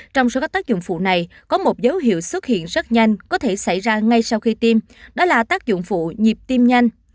trong số các tác dụng phụ này có một dấu hiệu xuất hiện rất nhanh có thể xảy ra ngay sau khi tiêm đó là tác dụng phụ nhịp tim nhanh